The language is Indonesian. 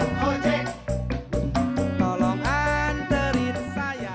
hei tukang ojek tolong anterin saya